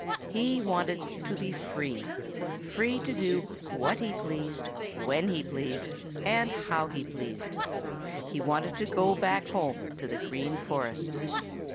He wanted to be free free to do what he pleased when he pleased and how he pleased. He wanted to go back home to the Green Forest.